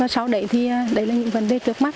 sau đấy thì đây là những vấn đề trước mắt